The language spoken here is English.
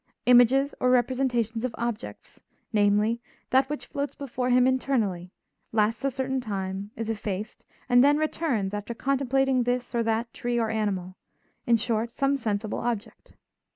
Images or representations of objects, namely, that which floats before him internally, lasts a certain time, is effaced, and then returns after contemplating this or that tree or animal, in short, some sensible object.